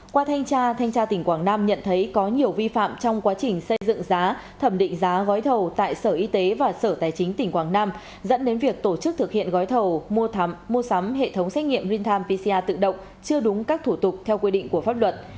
qua thanh tra thanh tra tỉnh quảng nam nhận thấy có nhiều vi phạm trong quá trình xây dựng giá thẩm định giá gói thầu tại sở y tế và sở tài chính tỉnh quảng nam dẫn đến việc tổ chức thực hiện gói thầu mua sắm hệ thống xét nghiệm real time pcr tự động chưa đúng các thủ tục theo quy định của pháp luật